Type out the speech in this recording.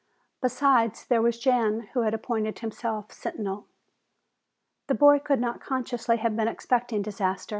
Besides, there was Jan who had appointed himself sentinel. The boy could not consciously have been expecting disaster.